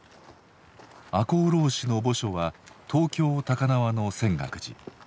赤穂浪士の墓所は東京・高輪の泉岳寺。